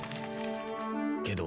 けど。